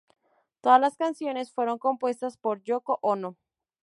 Todas las canciones fueron compuestas por Yoko Ono.